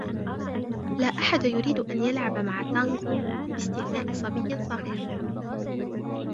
لا أحد يريد أن يلعب مع تانغو باستثناء صبي صغير.